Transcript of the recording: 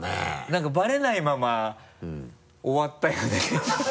何かバレないまま終わったよね